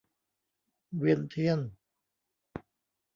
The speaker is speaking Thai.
เวียนเทียน